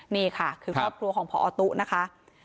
นี่ค่ะคือครอบครัวของพอตุ๊นะคะ